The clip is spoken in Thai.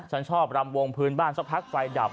ฉันชอบรำวงพื้นบ้านสักพักไฟดับ